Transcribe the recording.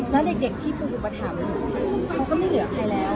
และเด็กที่ปลูกอุปฐัมเค้าก็ไม่เหลือใครแล้ว